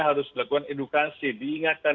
harus lakukan edukasi diingatkan